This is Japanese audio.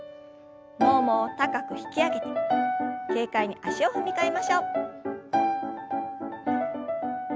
ももを高く引き上げて軽快に足を踏み替えましょう。